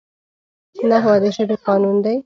نحوه د ژبي قانون دئ.